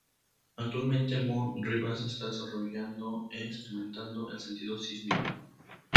Actualmente, Moon Ribas está desarrollando e experimentando el sentido sísmico.